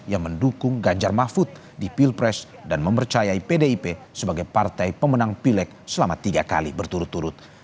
yang mendukung ganjar mahfud di pilpres dan mempercayai pdip sebagai partai pemenang pileg selama tiga kali berturut turut